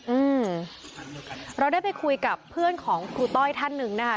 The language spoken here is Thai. อืมเราได้ไปคุยกับเพื่อนของครูต้อยท่านหนึ่งนะคะ